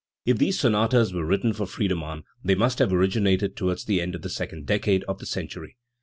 If these sonatas were written for Friedemann, they must have originated towards the end of the second decade of the century.